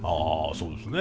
そうですね。